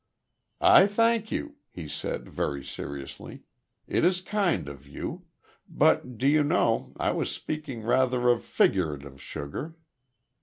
"I thank you," he said, very seriously. "It is kind of you.... But, do you know, I was speaking rather of figurative sugar."